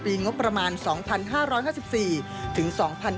งบประมาณ๒๕๕๔ถึง๒๕๕๙